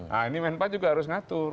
nah ini kemenpan juga harus ngatur